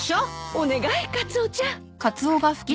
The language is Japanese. お願いカツオちゃん。